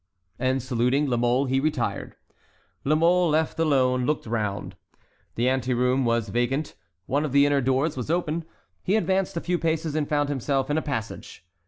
And saluting La Mole, he retired. La Mole, left alone, looked round. The ante room was vacant. One of the inner doors was open. He advanced a few paces and found himself in a passage.